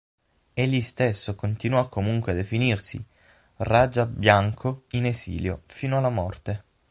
Egli stesso continuò comunque a definirsi "Raja Bianco in esilio" fino alla morte.